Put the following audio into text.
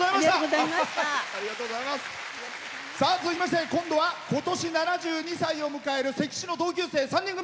続きまして、今度は今年７２歳を迎える関市の同級生３人組。